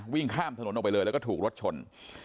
วิ่งข้ามถนนออกไปเลยแล้วก็ถูกรถชน